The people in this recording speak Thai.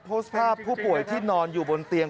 โพสต์ภาพผู้ป่วยที่นอนอยู่บนเตียง